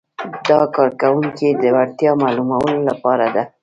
دا د کارکوونکي د وړتیا معلومولو لپاره ده.